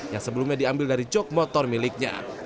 yang sebelumnya diambil dari jog motor miliknya